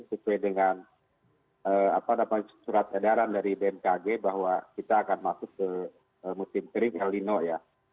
sesuai dengan surat edaran dari bmkg bahwa kita akan masuk ke musim kering el nino ya